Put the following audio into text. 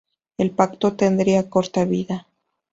El pacto tendría corta vida.